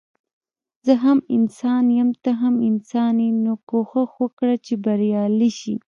زه هم انسان يم ته هم انسان يي نو کوښښ وکړه چي بريالی شي